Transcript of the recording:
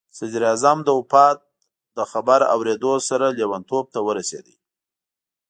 صدراعظم د وفات له خبر اورېدو سره لیونتوب ته ورسېد.